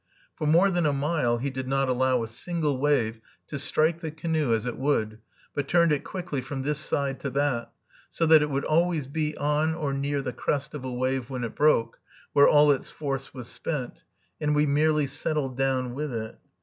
For more than a mile he did not allow a single wave to strike the canoe as it would, but turned it quickly from this side to that, so that it would always be on or near the crest of a wave when it broke, where all its force was spent, and we merely settled down with it.